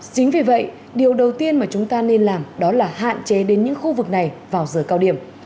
chính vì vậy điều đầu tiên mà chúng ta nên làm đó là hạn chế đến những khu vực này vào giờ cao điểm